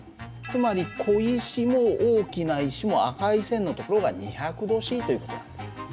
つまり小石も大きな石も赤い線のところが２００℃という事なんだ。